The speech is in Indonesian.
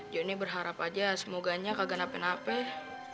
jonny berharap aja semoga dia tidak nafas